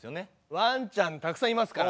ワンちゃんたくさんいますから。